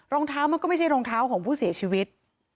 รองเท้ามันก็ไม่ใช่รองเท้าของผู้เสียชีวิต